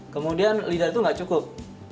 kemudian lidah itu nggak cukup